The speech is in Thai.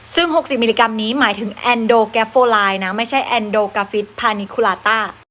ซึ่ง๖๐มิลลิกรัมนี้หมายถึงแอนโดแกฟโฟไลน์นะไม่ใช่แอนโดกาฟิศพานิคุลาต้า